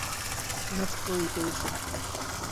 Мыҫҡыл итеү өсөн.